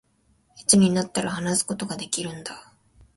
いつになったら、話すことができるんだ